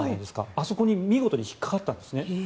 あそこに見事に引っかかったんですね。